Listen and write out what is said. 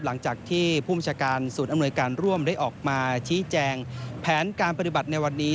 หลังจากที่ผู้บัญชาการศูนย์อำนวยการร่วมได้ออกมาชี้แจงแผนการปฏิบัติในวันนี้